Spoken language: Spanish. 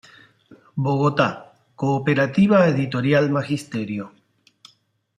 Bogotá: Cooperativa Editorial Magisterio.